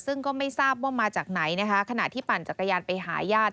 ซึ่งก็ไม่ทราบว่ามาจากไหนนะคะขณะที่ปั่นจักรยานไปหาญาติ